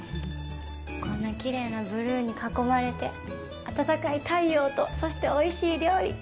こんなきれいなブルーに囲まれて、暖かい太陽と、そして、おいしい料理。